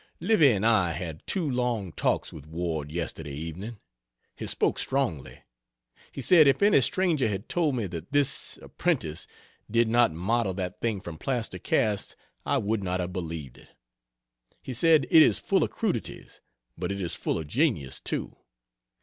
Livy and I had two long talks with Ward yesterday evening. He spoke strongly. He said, "if any stranger had told me that this apprentice did not model that thing from plaster casts, I would not have believed it." He said "it is full of crudities, but it is full of genius, too.